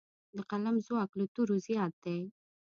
د قلم ځواک له تورو زیات دی.